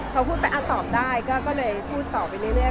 พอพูดไปตอบได้ก็เลยพูดต่อไปเรื่อย